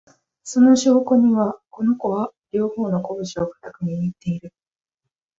その証拠には、この子は、両方のこぶしを固く握って立っている